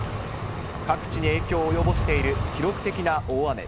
各地に影響を及ぼしている記録的な大雨。